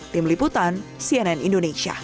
tim liputan cnn indonesia